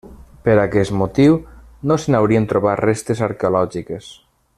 Per aquest motiu no se n'haurien trobat restes arqueològiques.